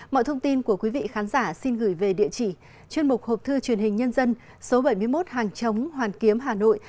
mọi thông tin của quý vị khán giả xin gửi về địa chỉ chuyên mục hộp thư truyền hình nhân dân số bảy mươi một hàng chống hoàn kiếm hà nội